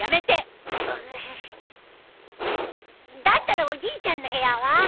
だったらおじいちゃんの部屋は？